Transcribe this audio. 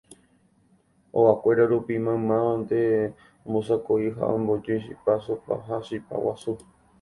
ogakuéra rupi maymávante ombosako'i ha ombojy chipa, sópa ha chipa guasu.